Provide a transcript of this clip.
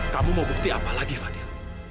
kamu mau bukti apa lagi fadil